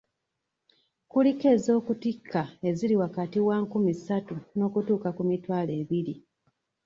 Kuliko ez'okutikka eziri wakati wa nkumi ssatu okutuuka ku mitwalo ebiri.